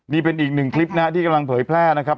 นี่เป็นอีกหนึ่งคลิปนะฮะที่กำลังเผยแพร่นะครับ